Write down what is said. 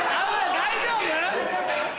大丈夫？